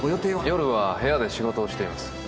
夜は部屋で仕事をしています。